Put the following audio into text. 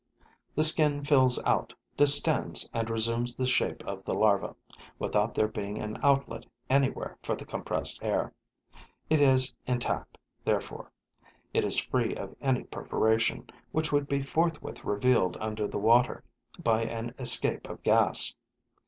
The skin fills out, distends and resumes the shape of the larva, without there being an outlet anywhere for the compressed air. It is intact, therefore; it is free of any perforation, which would be forthwith revealed under the water by an escape of gas.